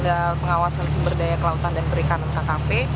dan pengawasan sumber daya kelautan dan perikanan kkp